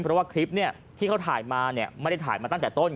เพราะว่าคลิปที่เขาถ่ายมาไม่ได้ถ่ายมาตั้งแต่ต้น